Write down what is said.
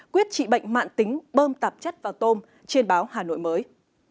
quyết trị bệnh mạng tính bơm tạp chất vào tôm trên báo hà nội mới